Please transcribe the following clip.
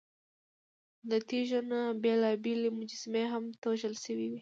له تیږو نه بېلابېلې مجسمې هم توږل شوې وې.